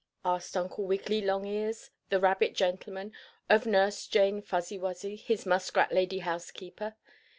asked Uncle Wiggily Longears, the rabbit gentleman, of Nurse Jane Fuzzy Wuzzy, his muskrat lady housekeeper.